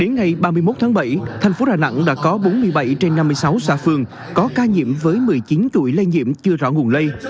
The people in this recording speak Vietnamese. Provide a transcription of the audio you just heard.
ngày ba mươi một tháng bảy thành phố đà nẵng đã có bốn mươi bảy trên năm mươi sáu xã phường có ca nhiễm với một mươi chín tuổi lây nhiễm chưa rõ nguồn lây